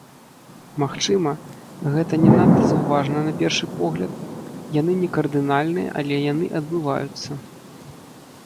Магчыма, гэта не надта заўважна на першы погляд, яны не кардынальныя, але яны адбываюцца.